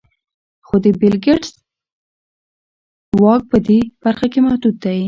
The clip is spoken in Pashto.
خو د بېل ګېټس واک په دې برخه کې محدود دی.